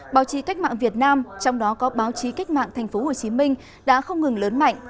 báo chí cách mạng việt nam trong đó có báo chí cách mạng tp hcm đã không ngừng lớn mạnh